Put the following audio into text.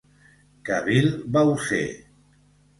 Que vil vau ser!